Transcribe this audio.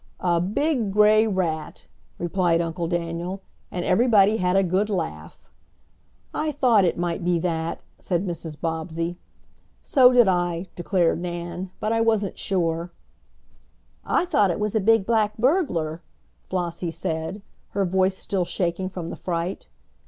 "A big gray rat," replied Uncle Daniel, and everybody had a good laugh. "I thought it might be that," said Mrs. Bobbsey. "So did I," declared Nan. "But I wasn't sure." "I thought it was a big black burglar," Flossie said, her voice still shaking from the fright.